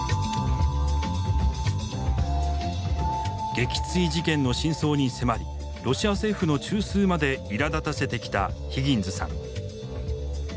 撃墜事件の真相に迫りロシア政府の中枢までいらだたせてきたヒギンズさん。